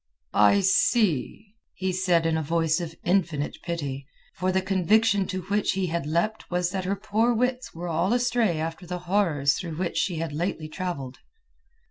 "I see!" he said in a voice of infinite pity; for the conviction to which he had leapt was that her poor wits were all astray after the horrors through which she had lately travelled.